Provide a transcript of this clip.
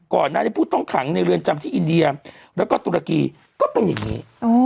ก่อนหน้านี้ผู้ต้องขังในเรือนจำที่อินเดียแล้วก็ตุรกีก็เป็นอย่างนี้